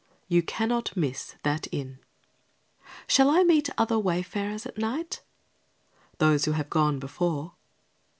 You cannot miss that inn. Shall I meet other wayfarers at night? Those who have gone before.